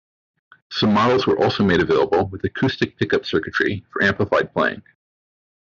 Some models were also made available with acoustic pickup circuitry for amplified playing.